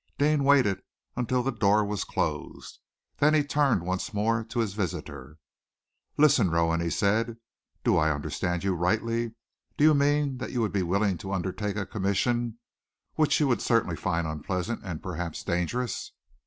Deane waited until the door was closed. Then he turned once more to his visitor. "Listen, Rowan," he said. "Do I understand you rightly? Do you mean that you would be willing to undertake a commission which you would certainly find unpleasant, and perhaps dangerous?"